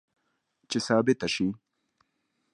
چې ثابته شي